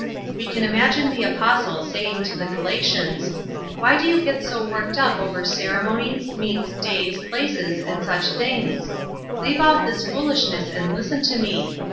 We can imagine the Apostle saying to the Galatians: "Why do you get so worked up over ceremonies, meats, days, places, and such things? Leave off this foolishness and listen to me.